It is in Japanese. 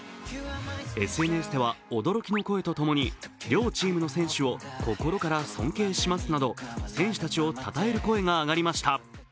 ＳＮＳでは驚きの声と共に両チームの選手を心から尊敬しますなど選手たちをたたえる声が上がりました。